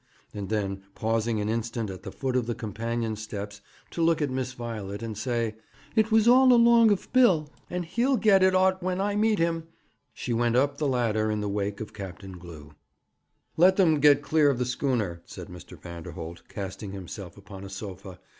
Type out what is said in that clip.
And then, pausing an instant at the foot of the companion steps, to look at Miss Violet, and say, 'It was all along of Bill; but he'll get it 'ot when I meet him,' she went up the ladder in the wake of Captain Glew. 'Let them get clear of the schooner,' said Mr. Vanderholt, casting himself upon a sofa.